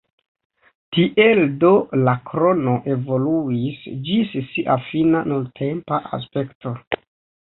Tiel do la krono evoluis ĝis sia fina nuntempa aspekto.